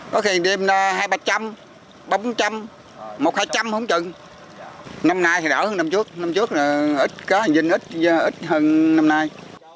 có khi đêm hai ba trăm linh bốn trăm linh một hai trăm linh không chừng năm nay thì đỡ hơn năm trước năm trước là ít cá hành dinh ít hơn năm nay